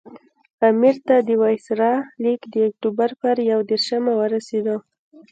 امیر ته د وایسرا لیک د اکټوبر پر یو دېرشمه ورسېد.